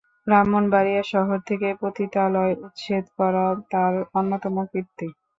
ব্রাহ্মণবাড়িয়া শহর থেকে পতিতালয় উচ্ছেদ করা তার অন্যতম কীর্তি।